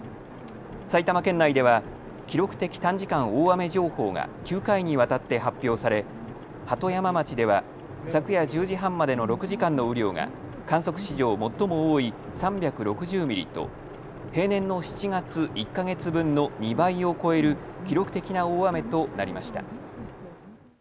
埼玉県内では記録的短時間大雨情報が９回にわたって発表され鳩山町では昨夜１０時半までの６時間の雨量が観測史上、最も多い３６０ミリと平年の７月１か月分の２倍を超える記録的な大雨となりました。